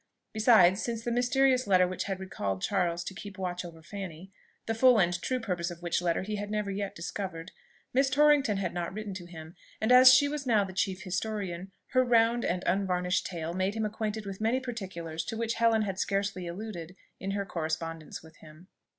Besides, since the mysterious letter which had recalled Charles to keep watch over Fanny, (the full and true purpose of which letter he had never yet discovered,) Miss Torrington had not written to him; and as she was now the chief historian, her round and unvarnished tale made him acquainted with many particulars to which Helen had scarcely alluded in her correspondence with him.